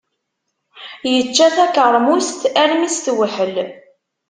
Yečča takermust armi s-tewḥel.